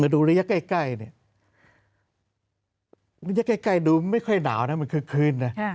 ดูระยะใกล้ดูไม่ค่อยหนาวนะมันคือคืน